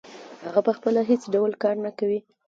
هغه پخپله هېڅ ډول کار نه کوي